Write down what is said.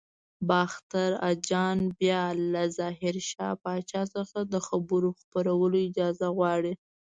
باختر اجان بیا له ظاهر شاه پاچا څخه د خبر خپرولو اجازه غواړي.